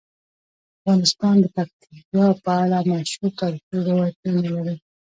افغانستان د پکتیا په اړه مشهور تاریخی روایتونه لري.